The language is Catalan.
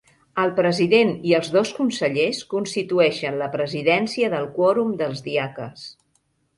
El president i els dos consellers constitueixen la presidència del quòrum dels diaques.